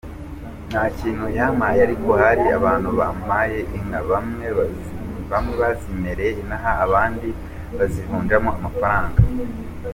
Nta kintu yampaye, ariko hari abantu bampaye inka, bamwe bazimpereye inaha abandi bazivunjamo amafaranga.